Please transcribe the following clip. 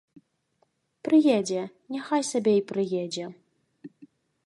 Прыедзе, няхай сабе і прыедзе.